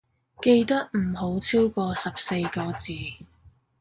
記得唔好超個十四個字